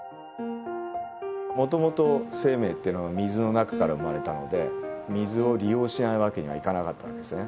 もともと生命っていうのは水の中から生まれたので水を利用しない訳にはいかなかった訳ですね。